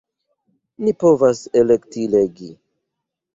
Ni povas elekti legi.